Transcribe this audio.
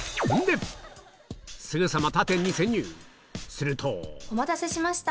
するとお待たせしました。